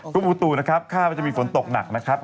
กุ้งปูตูนะครับฆาตฝนจะมีฝนตกหนักนะครับ